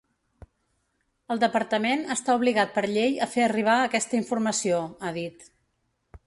“El departament està obligat per llei a fer arribar aquesta informació”, ha dit.